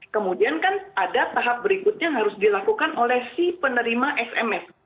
kemudian kan ada tahap berikutnya yang harus dilakukan oleh si penerima sms